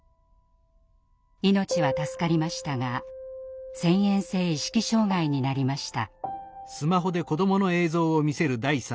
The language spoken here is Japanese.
命は助かりましたが遷延性意識障害になりました。